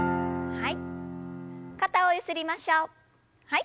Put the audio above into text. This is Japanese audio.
はい。